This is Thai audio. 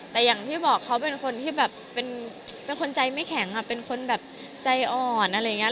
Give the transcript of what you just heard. แต่อย่างที่บอกเขาเป็นคนที่แบบเป็นคนใจไม่แข็งเป็นคนแบบใจอ่อนอะไรอย่างนี้